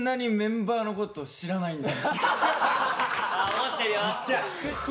怒ってるよ。